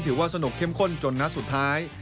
ถือว่าสนุกเข้มข้นจนนัดสุดท้าย